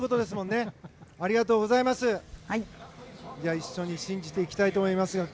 一緒に信じていきたいと思いますよ。